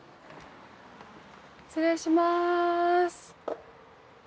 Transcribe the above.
失礼します。